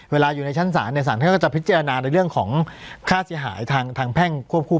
เวลาอยู่ในชั้นศาลศาลท่านก็จะพิจารณาในเรื่องของค่าเสียหายทางแพ่งควบคู่